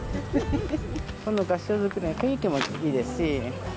この合掌造りが雰囲気もいいですし。